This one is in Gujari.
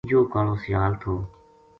یوہ کالو سیال تھو